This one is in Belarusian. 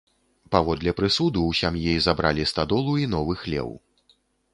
Паводле прысуду ў сям'і забралі стадолу і новы хлеў.